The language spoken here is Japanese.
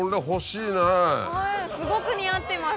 すごく似合ってます。